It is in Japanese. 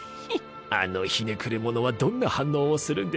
あのひねくれ者はどんな反応をするんでしょう